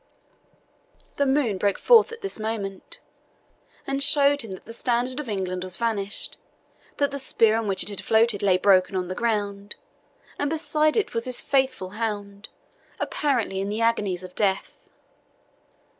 The moon broke forth at this moment, and showed him that the Standard of England was vanished, that the spear on which it had floated lay broken on the ground, and beside it was his faithful hound, apparently in the agonies of death.